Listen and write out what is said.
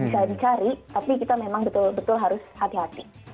cari cari tapi kita memang betul betul harus hati hati